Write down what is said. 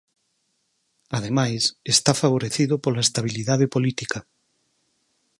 Ademais, está favorecido pola estabilidade política.